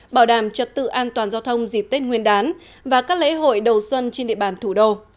bảo đảm trật tự an toàn giao thông dịp tết nguyên đán và các lễ hội đầu xuân trên địa bàn thủ đô